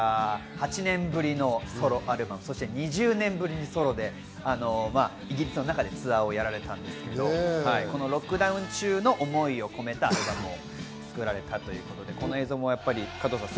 ８年ぶりのソロアルバム、そして２０年ぶりにソロで、イギリスの中でツアーをやられたんですけど、ロックダウン中の思いを込めたアルバムを作られたということです。